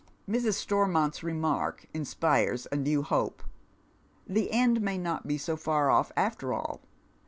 Mrs. Storraont's remark inspires a new hope. The end maj not be so far off after all.